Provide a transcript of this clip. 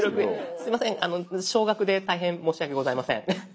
すいません少額で大変申し訳ございません。